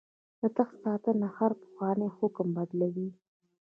د تخت ساتنه هر پخوانی حکم بدلوي.